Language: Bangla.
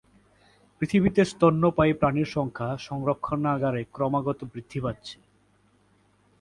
পৃথিবীতে স্তন্যপায়ী প্রাণীর সংখ্যা সংরক্ষণাগার ক্রমাগত বৃদ্ধি পাচ্ছে।